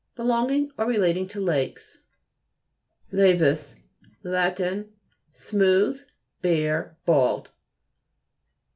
Belonging or relating to lakes. L.KVIS Lat. Smooth, bare, bald.